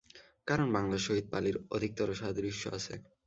কারণ বাঙলার সহিত পালির অধিকতর সাদৃশ্য আছে।